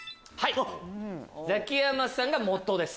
ザキヤマさんが基です。